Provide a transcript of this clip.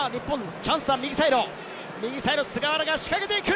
チャンスは右サイド、菅原が仕掛けていく。